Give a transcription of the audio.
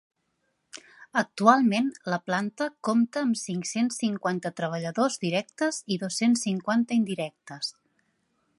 Actualment la planta compta amb cinc-cents cinquanta treballadors directes i dos-cents cinquanta indirectes.